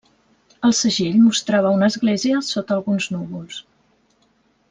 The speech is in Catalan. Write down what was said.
El segell mostrava una església sota alguns núvols.